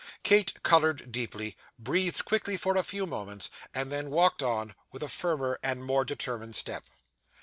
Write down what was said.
Kate coloured deeply, breathed quickly for a few moments, and then walked on with a firmer and more determined step.